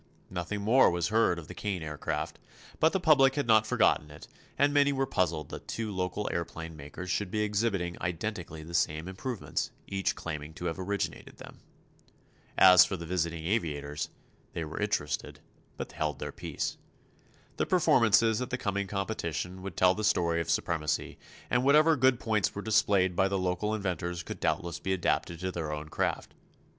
Nothing more was heard of the Kane Aircraft, but the public had not forgotten it and many were puzzled that two local aëroplane makers should be exhibiting identically the same improvements, each claiming to have originated them. As for the visiting aviators, they were interested, but held their peace. The performances at the coming competition would tell the story of supremacy, and whatever good points were displayed by the local inventors could doubtless be adapted to their own craft.